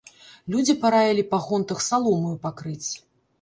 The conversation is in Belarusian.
Людзі параілі па гонтах саломаю пакрыць.